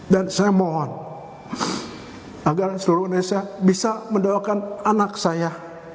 dan saya mohon agar seluruh indonesia bisa mendoakan anak saya